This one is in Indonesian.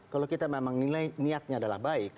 kalau kita memang nilai niatnya adalah baik